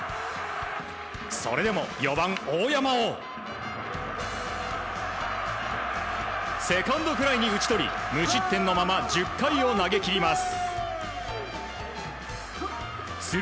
それでも４番、大山をセカンドフライに打ち取り無失点のまま１０回を投げ切ります。